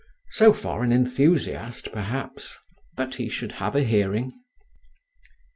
So far an enthusiast perhaps; but he should have a hearing.